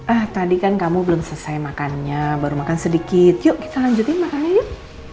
ah tadi kan kamu belum selesai makannya baru makan sedikit yuk kita lanjutin makannya yuk